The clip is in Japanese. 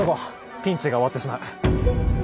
ピンチが終わってしまう！